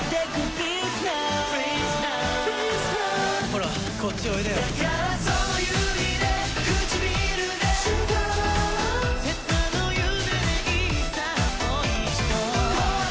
ほらこっちおいでよ。